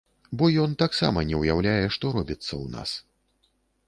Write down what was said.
Бо ён таксама не ўяўляе, што робіцца ў нас.